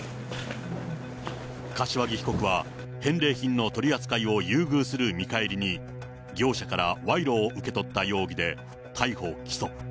柏木被告は、返礼品の取り扱いを優遇する見返りに、業者から賄賂を受け取った容疑で逮捕・起訴。